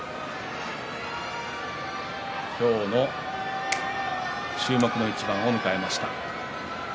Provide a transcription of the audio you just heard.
今日の注目の一番を迎えました。